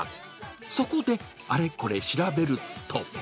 そこで、あれこれ調べると。